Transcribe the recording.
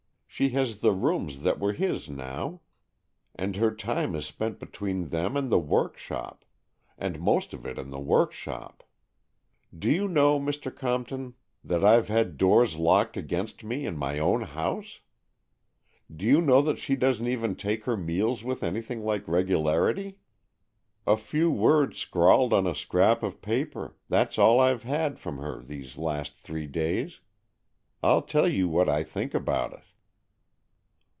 She has the rooms that were his now, and her time is spent between them and the workshop, and most of it in the workshop. Do you know, Mr. Compton, that I've had 148 AN EXCHANGE OF SOULS doors locked against me in my own house? Do you know that she doesn't even take her meals with anything like regularity? A few words scrawled on a scrap of paper — that's all I've had from her these last three days. I'll tell you what I think about it."